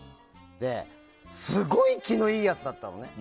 すごい気のいいやつだったのね。